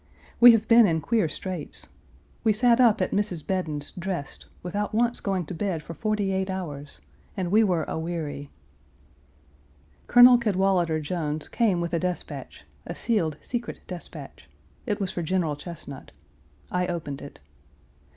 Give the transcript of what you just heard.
We have been in queer straits. We sat up at Mrs. Bedon's dressed, without once going to bed for forty eight hours, and we were aweary. Colonel Cadwallader Jones came with a despatch, a sealed secret despatch. It was for General Chesnut. I opened it.